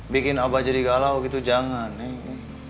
bikin abah jadi galau gitu jangan nih